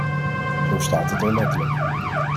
Zo staat het er letterlijk.